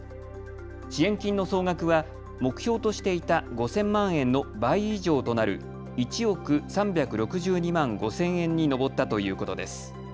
支援金の総額は目標としていた５０００万円の倍以上となる１億３６２万５０００円に上ったということです。